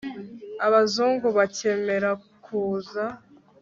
abazungu bakemera kuza